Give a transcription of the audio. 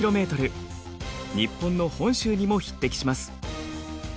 日本の本州にも匹敵します。